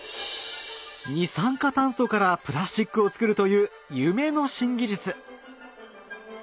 二酸化炭素からプラスチックを作るという夢の新技術。